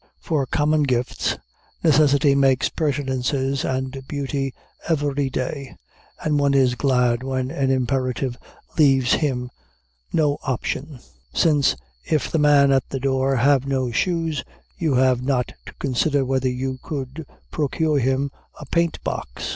For common gifts, necessity makes pertinences and beauty every day, and one is glad when an imperative leaves him no option, since if the man at the door have no shoes, you have not to consider whether you could procure him a paint box.